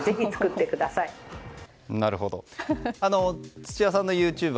土屋さんのＹｏｕＴｕｂｅ